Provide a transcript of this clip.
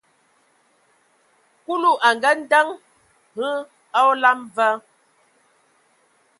Kulu a ngaandǝŋ hm a olam va,